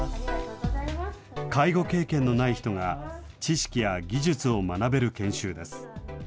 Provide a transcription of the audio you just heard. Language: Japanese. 介護経験のない人が知識や技術を学べる研修です。